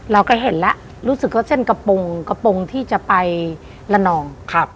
เราก็เห็นแล้วรู้สึกว่าเส้นกระปงที่จะไปละนอง